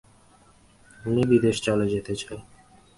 আমি বিদেশ চলে যেতে চাই।